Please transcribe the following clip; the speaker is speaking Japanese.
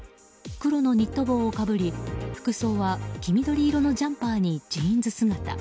黒のニット帽をかぶり服装は黄緑色のジャンパーにジーンズ姿。